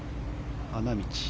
花道。